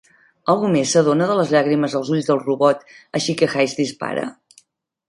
Algú més s'adona de les llàgrimes als ulls del robot, així que Hayes dispara.